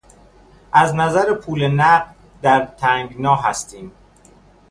از نظر پول نقد در تنگنا هستیم.